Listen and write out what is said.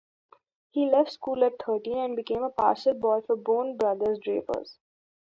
He left school at thirteen and became a parcel boy for Boan Brothers drapers.